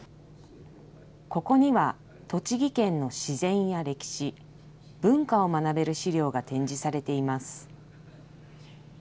ここには栃木県の自然や歴史、文化を学べる資料が展示されています。